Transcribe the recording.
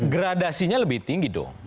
gradasinya lebih tinggi dong